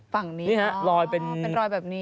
ฝั่งนี้อ๋อเป็นรอยแบบนี้